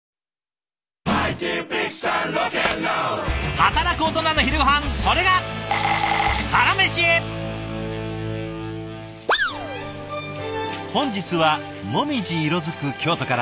働くオトナの昼ごはんそれが本日は紅葉色づく京都から。